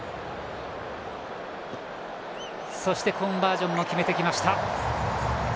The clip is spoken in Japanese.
コンバージョンも決めてきました。